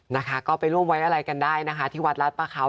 นะคะก็ไปร่วมไว้อะไรกันได้นะคะที่วัดรัฐประเขา